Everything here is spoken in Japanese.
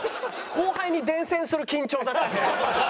後輩に伝染する緊張だなじゃあ。